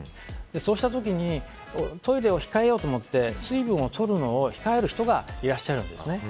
そうした時にトイレを控えようと思って水分をとるのを控える人がいらっしゃるんですね。